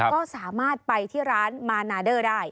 ก็สามารถไปที่ร้านมานาเดอร์ได้